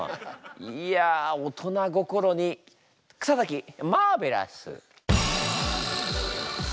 いや大人心に草滝マーベラス。